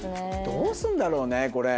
どうするんだろうねこれ。